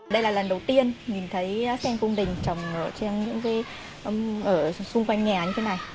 đây là lần đầu tiên mình thấy sen cung đình trồng ở xung quanh nhà như thế này